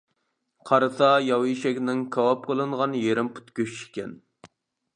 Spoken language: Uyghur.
قارىسا ياۋا ئېشەكنىڭ كاۋاپ قىلىنغان يېرىم پۇت گۆشى ئىكەن.